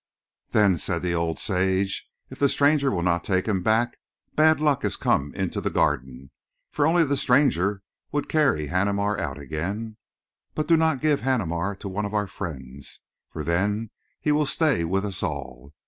"Then," said the old sage, "if the stranger will not take him back, bad luck has come into the Garden, for only the stranger would carry Haneemar out again. But do not give Haneemar to one of our friends, for then he will stay with us all.